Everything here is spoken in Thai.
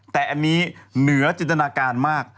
แต่อันนี้เหนือจินตนาการมาก